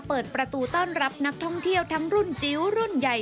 เปิดประตูต้อนรับนักท่องเที่ยวทั้งรุ่นจิ๋วรุ่นใหญ่